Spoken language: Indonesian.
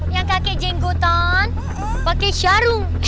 yang kakek jenggotan pakai syaru